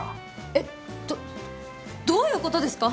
えっどどういうことですか？